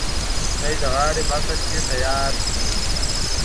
کوچنی د غاړې بکس دې تیار کړي.